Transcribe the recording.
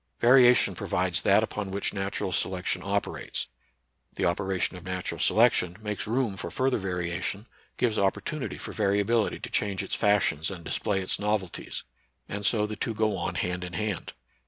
Variation provides that upon which natural selection operates ; the operation of natural selection makes room for further varia NATURAL SCIENCE AND RELIGION. 75 tion, gives opportunity for variability to change its fashions and display its novelties; and so the two go on, hand in hand.